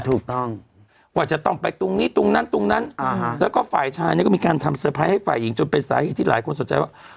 ถูกต้องว่าจะต้องไปตรงนี้ตรงนั้นตรงนั้นแล้วก็ฝ่ายชายเนี่ยก็มีการทำเตอร์ไพรส์ให้ฝ่ายหญิงจนเป็นสาเหตุที่หลายคนสนใจว่า